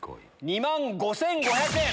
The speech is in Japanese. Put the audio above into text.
２万５５００円。